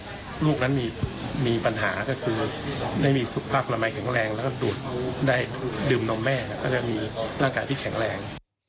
แล้วก็ดื่มน้ำแม่ก็จะมีร่างกายที่แข็งแรง